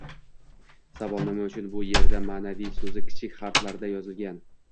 Savol: nima uchun bu yerda «ma’naviy» so‘zi kichik harflarda yozilgan?